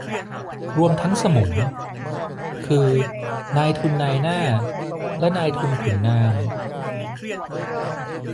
รวมทั้งสมุน คือ นายทุนนายหน้าและนายทุนขุนนาง